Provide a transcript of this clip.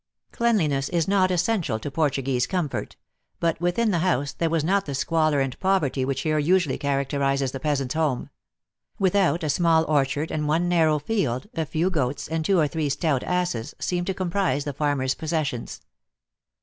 Cleanliness is not essential to Portuguese comfort; but, within the house, there was not the squalor and poverty which here usually characterises the peasant s home. With out, a small orchard, and one narrow field, a few goats, and two or three stout asses, seemed to comprise the farmer s possessions.